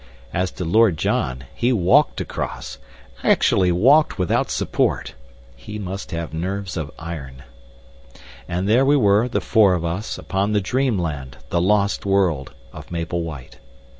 As to Lord John, he walked across actually walked without support! He must have nerves of iron. And there we were, the four of us, upon the dreamland, the lost world, of Maple White.